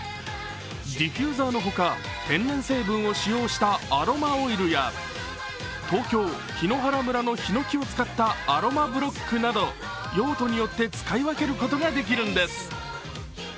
ディフューザーの他、天然成分を利用したアロマオイルや東京・檜原村のひのきを使ったアロマブロックなど用途によって使い分けることができるんです。